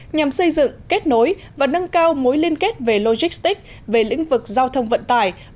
nhằm xây dựng kết nối và nâng cao mối liên kết về logistics về lĩnh vực giao thông vận tải